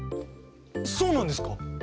そうなんですか？